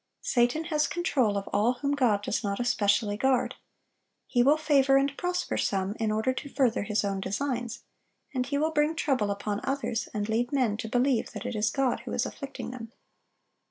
Satan has control of all whom God does not especially guard. He will favor and prosper some, in order to further his own designs; and he will bring trouble upon others, and lead men to believe that it is God who is afflicting them.